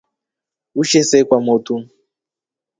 Ushe see kwa motu.